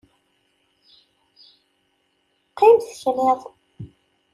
Qqim tekniḍ!